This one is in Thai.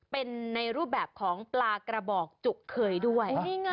เป็นในรูปแบบของปลากระบอกจุกเคยด้วย